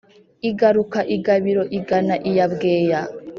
igaruka i gabiro igana iya bweya